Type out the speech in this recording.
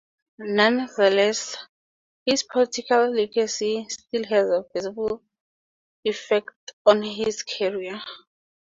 Nonetheless, his political legacy still has a visible effect on his career.